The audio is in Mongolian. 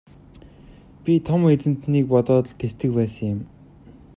Би Том эзэнтнийг бодоод л тэсдэг байсан юм.